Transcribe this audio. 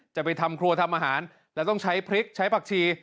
จะไปทำครัวทำอาหารแล้วต้องใช้พริกใช้ผักชี